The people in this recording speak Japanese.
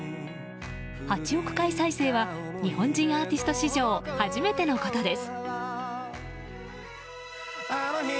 ８億回再生は日本人アーティスト史上初めてのことです。